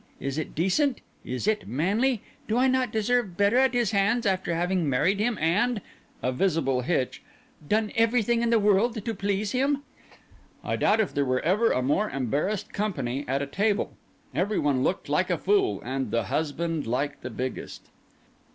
is it decent? is it manly? Do I not deserve better at his hands after having married him and"—(a visible hitch)—"done everything in the world to please him." I doubt if there were ever a more embarrassed company at a table; every one looked like a fool; and the husband like the biggest.